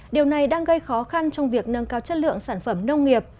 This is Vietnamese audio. điều này đang gây khó khăn trong việc nâng cao chất lượng sản phẩm nông nghiệp